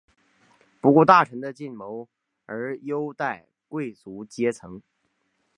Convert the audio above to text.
不顾大臣的进谏而优待贵族阶层。